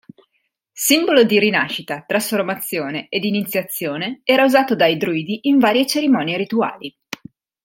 Simbolo di rinascita, trasformazione ed iniziazione era usato dai druidi in varie cerimonie rituali.